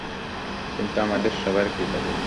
কিন্তু আমাদের সবার কী হবে?